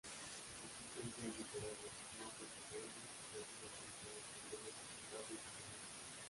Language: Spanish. Existen guías literarios, mapas literarios, y viajes organizados que pueden resultar de utilidad.